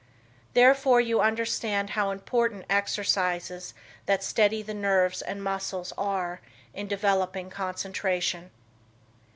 Therefore you understand how important exercises that steady the nerves and muscles are in developing concentration.